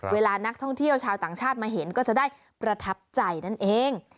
เวลานักท่องเที่ยวชาวต่างชาติมาเห็นก็จะได้ประทับใจนั่นเอง